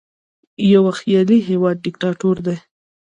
یوه خیالي هیواد دیکتاتور دی.